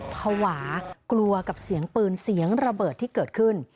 ภาวะกลัวกับเสียงปืนเสียงระเบิดที่เกิดขึ้น